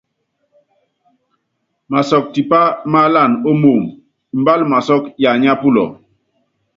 Masɔk tipá máálan ó moomb, mbál masɔ́k yanyá pulɔ.